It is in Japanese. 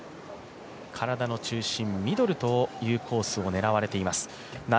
体の中心、ミドルというコースを狙われています。